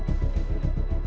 saya dengan fix